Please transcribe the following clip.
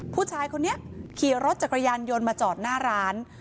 ผู้ชายคนนี้ขี่รถจักรยานยนต์มาจอดหน้าร้าน